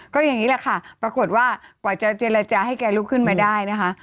ก็อย่างนี้แหละค่ะปรากฏว่ากว่าจะเจรจาให้แกลุกขึ้นมาได้นะคะ